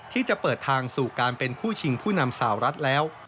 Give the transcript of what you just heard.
ที่จะเปิดทางสู่การเป็นคู่ชิงผู้นำสาวรัฐแล้ว